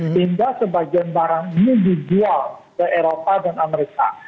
sehingga sebagian barang ini dijual ke eropa dan amerika